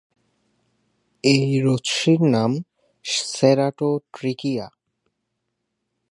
এই রশ্মির নাম সেরাটোট্রিকিয়া।